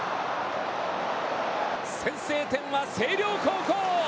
先制点は星稜高校。